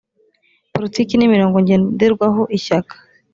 politiki nimirongo ngenderwaho ishyaka.